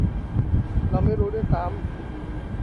เราไม่รู้ด้วยซ้ำ